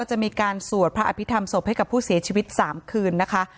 จะมีการสวดพระอภิษฐรรมศพให้กับผู้เสียชีวิต๓คืนนะคะ